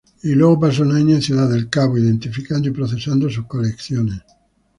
Y luego pasó un año en Ciudad del Cabo, identificando y procesando sus colecciones.